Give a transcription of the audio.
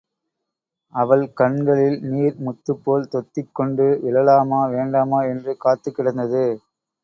அவள் கண்களில் நீர் முத்துப்போல் தொத்திக் கொண்டு விழலாமா வேண்டாமா என்று காத்துக்கிடந்தது.